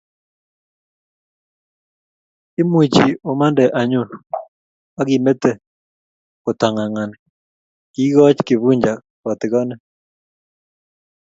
Imuchi umande anyun akimete kotangangani, kiikoch Kifuja kotigonet